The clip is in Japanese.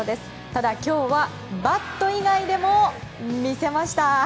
ただ、今日はバット以外でも魅せました！